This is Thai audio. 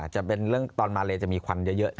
จะเป็นเรื่องตอนมาเลจะมีควันเยอะ